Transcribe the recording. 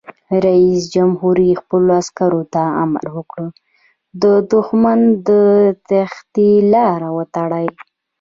رئیس جمهور خپلو عسکرو ته امر وکړ؛ د دښمن د تیښتې لارې وتړئ!